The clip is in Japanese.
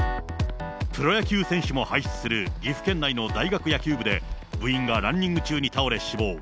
プロ野球選手も輩出する岐阜県内の大学野球部で、部員がランニング中に倒れ死亡。